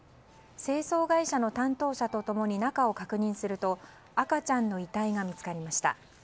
清掃会社の担当者と共に中を確認すると赤ちゃんの遺体が見つかりました。